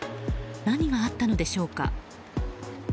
何があったのでしょうか。